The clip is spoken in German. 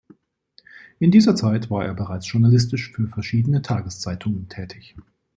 In dieser Zeit war er bereits journalistisch für verschiedene Tageszeitungen tätig.